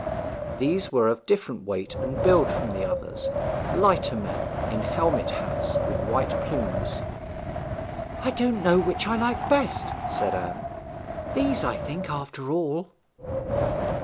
These were of different weight and build from the others; lighter men, in helmet hats, with white plumes. 'I don't know which I like best,' said Anne. 'These, I think, after all.'